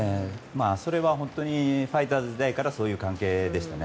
それは本当にファイターズ時代からそういう関係でしたね。